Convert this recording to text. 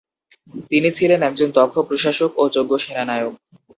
তিনি ছিলেন একজন দক্ষ প্রশাসক ও যোগ্য সেনানায়ক।